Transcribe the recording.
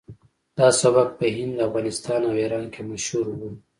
دا سبک په هند افغانستان او ایران کې مشهور و